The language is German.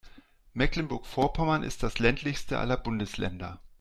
Mecklenburg-Vorpommern ist das ländlichste aller Bundesländer.